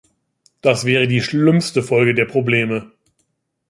Das wäre die schlimmste Folge der Probleme.